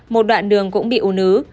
một đoạn đường cũng bị u nứ